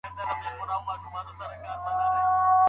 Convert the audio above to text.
ښوونکی باید تل د هیلې پیغام ورکړي.